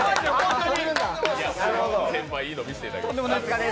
先輩、いいの見せていただきました。